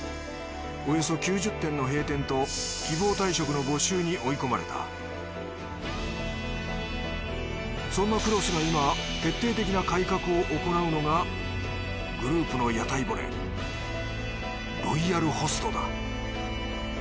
およそ９０店の閉店と希望退職の募集に追い込まれたそんな黒須が今徹底的な改革を行うのがグループの屋台骨ロイヤルホストだ。